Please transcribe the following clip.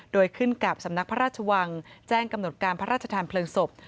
โดยขึ้นกับสำนักพระราชวังแจ้งกำหนดการพระราชทานเพลิงศพ